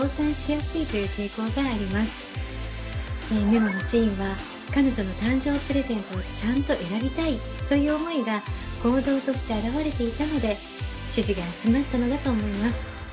メモのシーンは彼女の誕生プレゼントをちゃんと選びたいという思いが行動として表れていたので支持が集まったのだと思います。